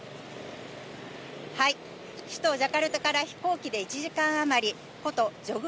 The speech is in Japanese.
首都ジャカルタから飛行機で１時間余り、古都ジョグ